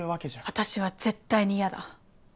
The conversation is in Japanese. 私は絶対に嫌だ。